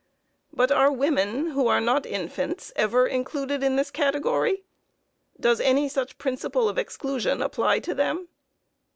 But are women, who are not infants, ever included in this category? Does any such principle of exclusion apply to them?